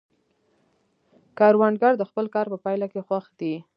کروندګر د خپل کار په پایله کې خوښ دی